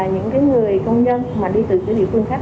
những người công nhân đi từ địa phương khác